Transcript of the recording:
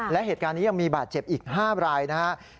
และเหตุการณ์นี้ยังมีบาดเจ็บอีก๕รายนะครับ